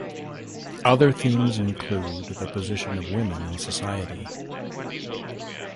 Other themes include the position of women in society.